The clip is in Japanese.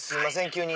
急に。